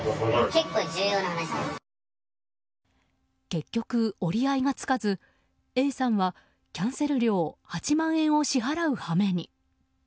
結局、折り合いがつかずＡさんは、キャンセル料８万円を支払う羽目に。